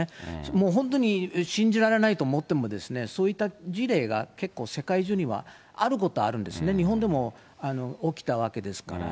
もう本当に信じられないと思っても、そういった事例が結構、世界中にはあることはあるんですね、日本でも起きたわけですから。